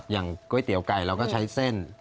ก๋วยเตี๋ยวไก่เราก็ใช้เส้น